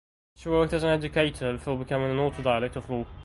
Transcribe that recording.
She worked as an educator before becoming an autodidact of law.